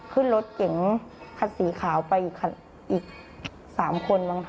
ขึ้นรถไปด้วยกัน